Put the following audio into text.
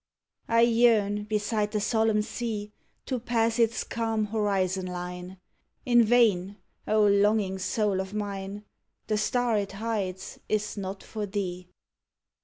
I yearn, beside the solemn sea, To pass its calm horizon line: In vain, O longing soul of mine! The star it hides is not for thee.